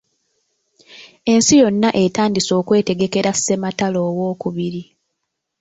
Ensi yonna etandise okwetegekera Ssematalo owookubiri.